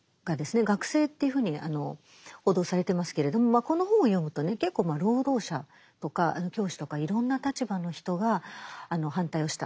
学生っていうふうに報道されてますけれどもこの本を読むとね結構労働者とか教師とかいろんな立場の人が反対をした。